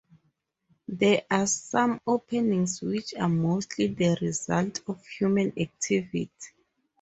There are some openings which are mostly the result of human activity.